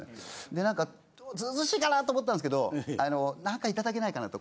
で何か図々しいかなと思ったんですけど何か頂けないかな？と。